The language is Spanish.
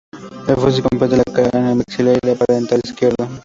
El fósil comprende la cara con el maxilar y el parietal izquierdo.